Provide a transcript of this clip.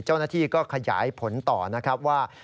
เจ้าหน้าที่ก็ขยายผลต่อนะครับว่า